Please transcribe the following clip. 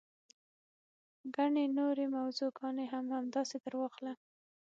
ګڼې نورې موضوع ګانې هم همداسې درواخله.